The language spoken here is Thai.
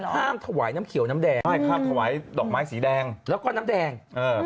ก็ได้ฆ่าถ่วยน้ำเขียวน้ำแดงไม่ข้าวไหวดอกไม้สีแดง